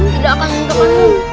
tidak akan mengemparku